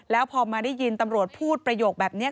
แล้วพอมาได้ยินตำรวจพูดประโยคแบบนี้